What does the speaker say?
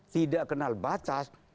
tidak kenal batas